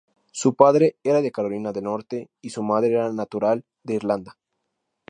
Su padre era de Carolina del Norte y su madre era natural de Irlanda.